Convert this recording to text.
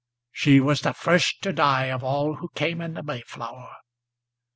She was the first to die of all who came in the Mayflower!